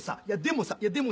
「いやでもさ」。